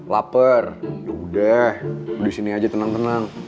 lapar udah disini aja tenang tenang